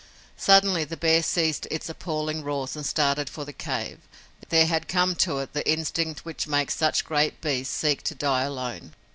Suddenly the bear ceased its appalling roars and started for the cave. There had come to it the instinct which makes such great beasts seek to die alone.